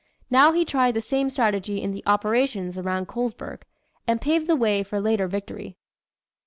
Now he tried the same strategy in the operations around Colesburg and paved the way for later victory.